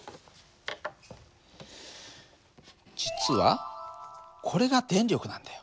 実はこれが電力なんだよ。